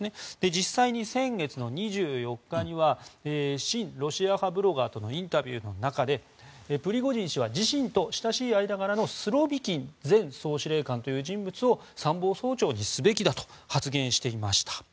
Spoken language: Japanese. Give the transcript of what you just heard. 実際に先月の２４日には親ロシア派ブロガーとのインタビューの中でプリゴジン氏は自身と親しい間柄のスロビキン前総司令官という人物を参謀総長にすべきだと発言していました。